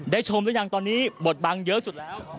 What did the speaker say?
ชมหรือยังตอนนี้บทบังเยอะสุดแล้ว